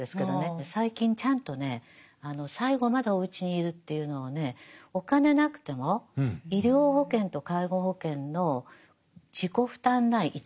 最近ちゃんとね最後までおうちに居るというのをねお金なくても医療保険と介護保険の自己負担内１割ですよ